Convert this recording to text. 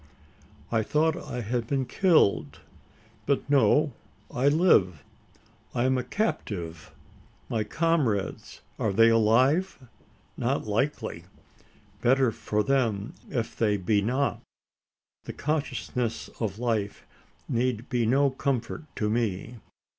I thought I had been killed. But no I live I am a captive. My comrades are they alive? Not likely. Better for them, if they be not. The consciousness of life need be no comfort to me.